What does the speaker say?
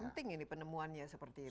penting ini penemuannya seperti itu